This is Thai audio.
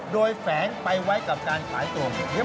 โดยแฝงไปไว้กับการขายตัว